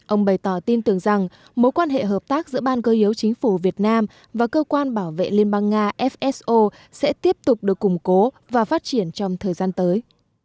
ông bày tỏ tin tưởng rằng mối quan hệ hợp tác giữa ban cơ yếu chính phủ việt nam và cơ quan bảo vệ liên bang nga fso sẽ tiếp tục được củng cố và phát triển trong thời gian tới